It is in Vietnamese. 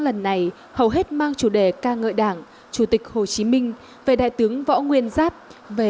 lần này hầu hết mang chủ đề ca ngợi đảng chủ tịch hồ chí minh về đại tướng võ nguyên giáp về